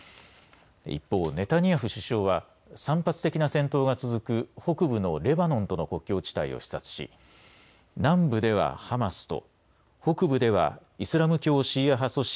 一方、ネタニヤフ首相は散発的な戦闘が続く北部のレバノンとの国境地帯を視察し、南部ではハマスと北部ではイスラム教シーア派組織